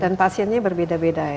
dan pasiennya berbeda beda ya